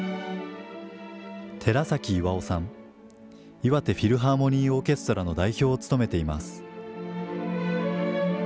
いわてフィルハーモニー・オーケストラの代表を務めています。